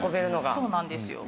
そうなんですよ。